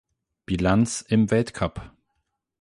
Bilanz im Weltcup